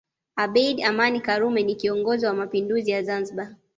Abeid Amani Karume ni kiongozi wa Mapinduzi ya Zanzibar